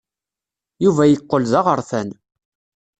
Yuba yeqqel d aɣerfan.